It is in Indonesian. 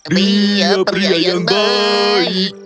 dia pria yang baik